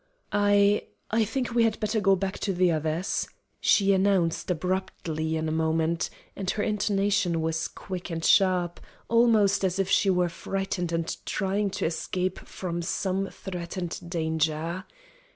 "I I think we had better go back to the others," she announced, abruptly, in a moment, and her intonation was quick and sharp, almost as if she were frightened and trying to escape from some threatened danger.